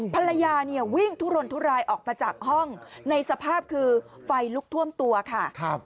ภรรยาเนี่ยวิ่งทุรนทุรายออกมาจากห้องในสภาพคือไฟลุกท่วมตัวค่ะ